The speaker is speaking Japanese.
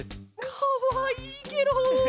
かわいいケロ！